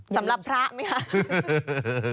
สำหรับพระไหมคะ